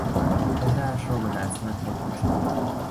چهرهاش را با دستهای خود پوشاند.